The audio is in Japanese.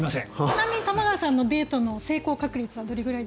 ちなみに玉川さんのデートの成功確率はどれくらい？